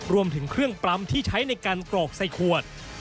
รวมถึงเครื่องปั๊มที่ใช้ในการกรอกใส่ขวด